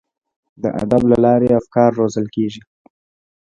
د ادب له لارې افکار روزل کیږي.